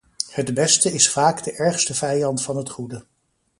Het beste is vaak de ergste vijand van het goede.